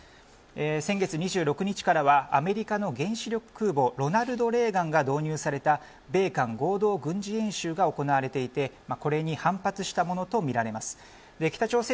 先月２６日からはアメリカの原子力空母ロナルド・レーガンが導入された米韓合同軍事演習が行われていてこれに反発したものとみられています。